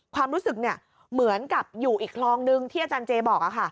ความรู้สึกเหมือนกับอยู่อีกคลองนึงที่อาจารย์เจบอก